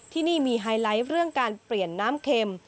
ที่นี่มีไฮไลท์เรื่องการเปลี่ยนน้ำเข็ม